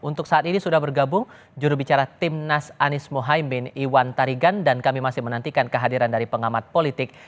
untuk saat ini sudah bergabung jurubicara timnas anies mohaimin iwan tarigan dan kami masih menantikan kehadiran dari pengamat politik